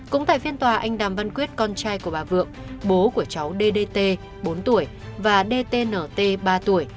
cũng tại phiên tòa anh đàm văn quyết con trai của bà vượng bố của cháu ddt bốn tuổi và dtnt ba tuổi